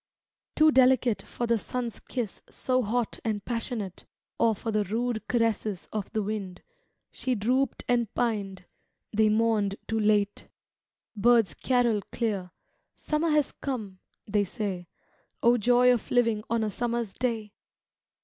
Too delicate for the sun's kiss so hot and passionate, Or for the rude caresses of the wind. She drooped and pined — They mourned too late. Birds carol clear: ' Summer has come,' they say. * O joy of living on a summer's day